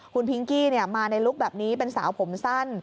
คุณพิงกี้มาในลุคแบบนี้เป็นสาวผมสั้น